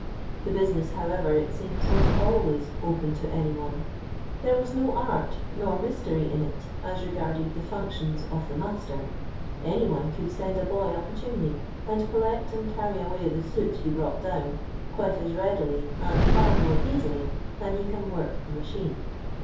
The business, however, it seems, was always " open to any one." There was no art nor mystery in it, as regardi d the functions of the master; amy one could Bend a boy up a chimney, and collect and carry uway the boot he brought down, quite as readily and far more euttily than he can work a machine.